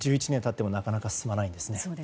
１１年経ってもなかなか進まないですね。